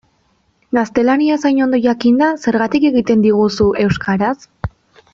Gaztelaniaz hain ondo jakinda, zergatik egiten diguzu euskaraz?